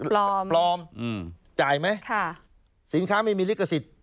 ปลอมปลอมอืมจ่ายไหมค่ะสินค้าไม่มีลิขสิทธิ์